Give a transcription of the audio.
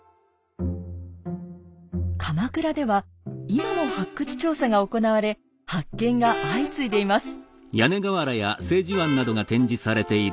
鎌倉では今も発掘調査が行われ発見が相次いでいます。